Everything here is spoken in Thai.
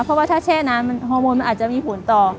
เพราะว่าถ้าแช่น้ำมันฮอร์โมนมันอาจจะมีผลต่อ